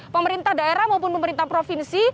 pemerintah daerah maupun pemerintah provinsi